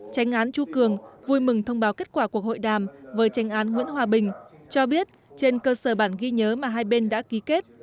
tranh án chu cường vui mừng thông báo kết quả cuộc hội đàm với tranh án nguyễn hòa bình cho biết trên cơ sở bản ghi nhớ mà hai bên đã ký kết